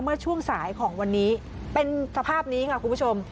เมื่อช่วงสายของวันนี้เป็นสภาพนี้ค่ะคุณผู้ชม